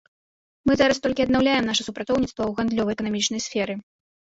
Мы зараз толькі аднаўляем наша супрацоўніцтва ў гандлёва-эканамічнай сферы.